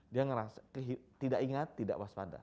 dia merasa tidak ingat tidak waspada